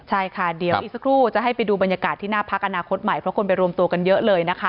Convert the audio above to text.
ใช่ค่ะเดี๋ยวอีกสักครู่จะให้ไปดูบรรยากาศที่หน้าพักอนาคตใหม่เพราะคนไปรวมตัวกันเยอะเลยนะคะ